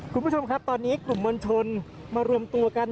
คุณผู้ชมครับตอนนี้กลุ่มมวลชนมารวมตัวกัน